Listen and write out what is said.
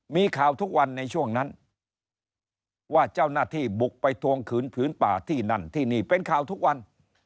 มีข่าวทุกวันในช่วงนั้นว่าเจ้าหน้าที่บุกไปทวงคืนผืนป่าที่นั่นที่นี่เป็นข่าวทุกวัน